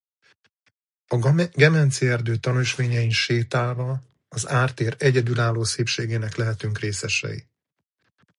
A Gemenci-erdő tanösvényein sétálva az ártér egyedülálló szépségének lehetünk részesei.